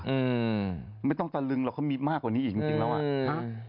อืมไม่ต้องตะลึงหรอกเขามีมากกว่านี้อีกจริงจริงแล้วอ่ะอืม